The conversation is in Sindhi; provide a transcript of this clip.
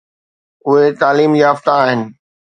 اهي تعليم يافته آهن.